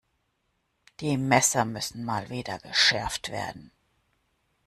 Die Messer müssten Mal wieder geschärft werden.